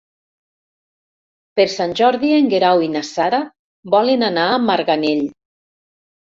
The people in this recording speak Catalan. Per Sant Jordi en Guerau i na Sara volen anar a Marganell.